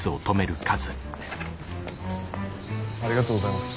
ありがとうございます。